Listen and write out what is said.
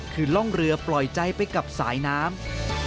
คือร่องเรือปล่อยใจไปกับสายน้ำ